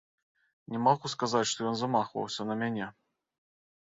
Не магу сказаць, што ён замахваўся на мяне.